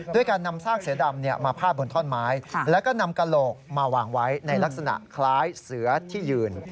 การนำซากเสือดำมาพาดบนท่อนไม้แล้วก็นำกระโหลกมาวางไว้ในลักษณะคล้ายเสือที่ยืน